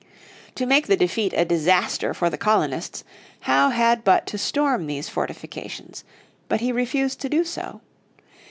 To make the defeat a disaster for the colonists Howe had but to storm these fortifications. But he refused to do so.